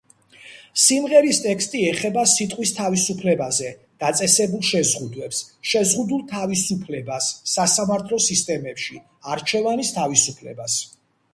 სიმღერის ტექსტი ეხება სიტყვის თავისუფლებაზე დაწესებულ შეზღუდვებს, შეზღუდულ თავისუფლებას სასამართლო სისტემებში, არჩევანის თავისუფლებას.